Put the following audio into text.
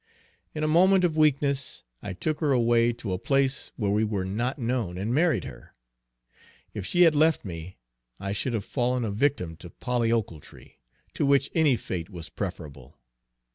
In a moment of weakness I took her away to a place where we were not known, and married her. If she had left me, I should have fallen a victim to Polly Ochiltree, to which any fate was preferable.